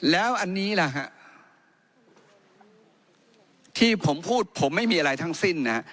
แล้วอันนี้ล่ะฮะที่ผมพูดผมไม่มีอะไรทั้งสิ้นนะฮะ